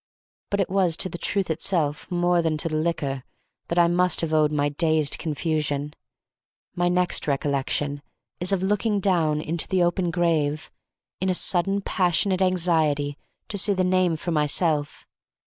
But it was to the truth itself more than to the liquor that I must have owed my dazed condition. My next recollection is of looking down into the open grave, in a sudden passionate anxiety to see the name for myself.